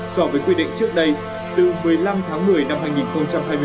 so với quy định trước đây từ một mươi năm tháng một mươi năm hai nghìn hai mươi ba